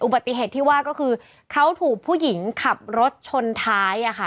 อุบัติเหตุที่ว่าก็คือเขาถูกผู้หญิงขับรถชนท้าย